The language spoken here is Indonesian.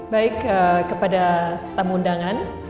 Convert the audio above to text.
baik kepada tamu undangan